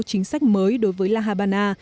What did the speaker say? chính sách mới đối với la habana